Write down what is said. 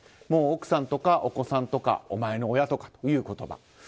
もう奥さんとか、お子さんとかお前の親とかという言葉。